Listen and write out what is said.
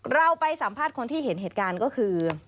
เราไปสัมภาษณ์คนที่เห็นเหตุการณ์ก็คือ